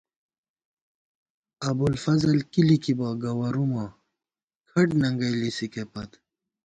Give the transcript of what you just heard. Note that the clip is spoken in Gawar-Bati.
ابُوالفضل کی لِکِبہ ، گوَرُومہ کھٹ ننگئ لِسِکے پت